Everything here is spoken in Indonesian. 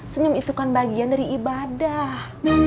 senyum itu kan bagian dari ibadah